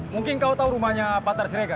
mungkin kau tahu rumahnya patar sirega